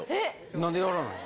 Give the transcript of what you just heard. なんでやらないの？